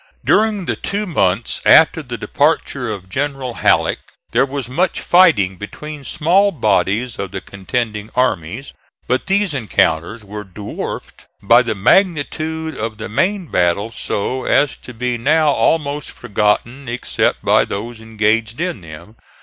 During the two months after the departure of General Halleck there was much fighting between small bodies of the contending armies, but these encounters were dwarfed by the magnitude of the main battles so as to be now almost forgotten except by those engaged in them.